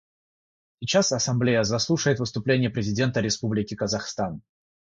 Сейчас Ассамблея заслушает выступление президента Республики Казахстан.